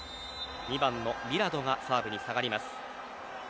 ２番のミラドがサーブに下がります。